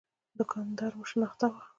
دوکان دار مو شناخته وخت.